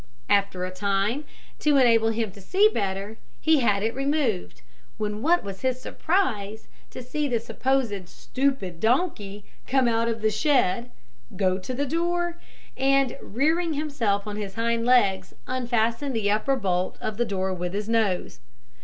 After a time, to enable him to see the better, he had it removed, when what was his surprise to see the supposed stupid donkey come out of the shed, go to the door, and, rearing himself on his hind legs, unfasten the upper bolt of the door with his nose.